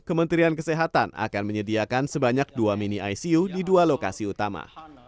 kementerian kesehatan akan menyediakan sebanyak dua mini icu di dua lokasi utama